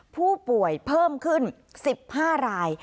ผู้ป่วยเพิ่มขึ้นสิบห้าราย